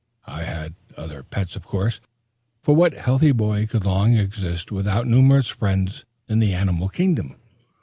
I had other pets, of course; for what healthy boy could long exist without numerous friends in the animal kingdom?